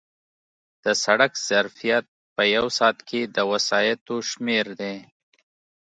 د سړک ظرفیت په یو ساعت کې د وسایطو شمېر دی